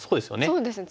そうですね